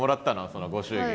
そのご祝儀。